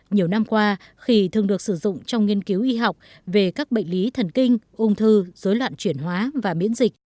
nhiều năm qua khỉ thường được sử dụng trong nghiên cứu y học về các bệnh lý thần kinh ung thư dối loạn chuyển hóa và miễn dịch